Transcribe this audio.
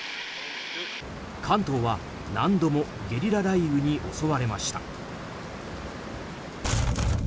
関東は何度もゲリラ雷雨に襲われました。